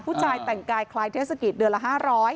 ผู้ชายแต่งกายคล้ายเทศกิจเดือนละ๕๐๐